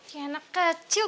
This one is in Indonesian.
ya anak kecil